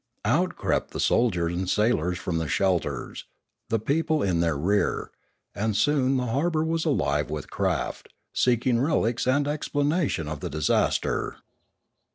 Out crept the soldiers and sailors from their shelters, the people in their rear, and soon the harbour was* alive with craft, seeking relics and explanation of the disaster.